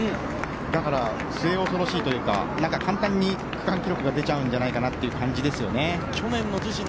だから、末恐ろしいというか簡単に区間記録が出ちゃうんじゃないかという感じですね。